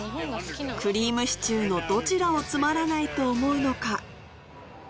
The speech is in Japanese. くりぃむしちゅーのどちらをつまらないと思うのか？